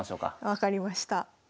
分かりました。